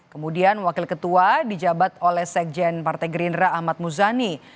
kemudian wakil ketua dijabat oleh sekjen partai gerindra ahmad muzani